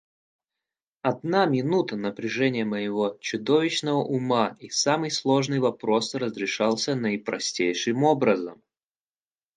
Одна минута напряжения моего чудовищного ума, и самый сложный вопрос разрешался наипростейшим образом.